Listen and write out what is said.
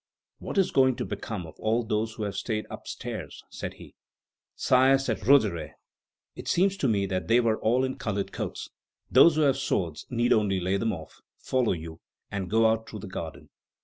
"What is going to become of all those who have stayed up stairs?" said he. "Sire," replied Roederer, "it seemed to me that they were all in colored coats. Those who have swords need only lay them off, follow you, and go out through the garden."